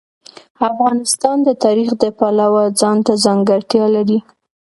افغانستان د تاریخ د پلوه ځانته ځانګړتیا لري.